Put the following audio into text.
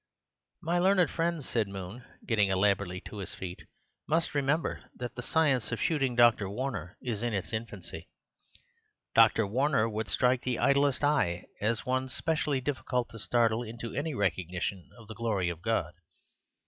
"My learned friend," said Moon, getting elaborately to his feet, "must remember that the science of shooting Dr. Warner is in its infancy. Dr. Warner would strike the idlest eye as one specially difficult to startle into any recognition of the glory of God.